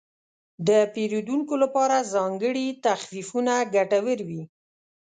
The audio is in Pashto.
د پیرودونکو لپاره ځانګړي تخفیفونه ګټور وي.